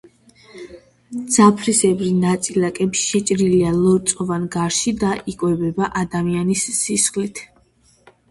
ძაფისებრი ნაწილით შეჭრილია ლორწოვან გარსში და იკვებება ადამიანის სისხლით.